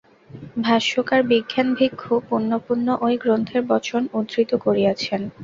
ভাষ্যকার বিজ্ঞানভিক্ষু পুন পুন ঐ গ্রন্থের বচন উদ্ধৃত করিয়াছেন।